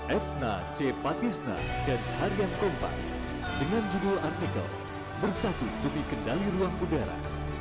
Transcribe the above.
etna c patisna dan harian kompas dengan judul artikel bersatu demi kendali ruang udara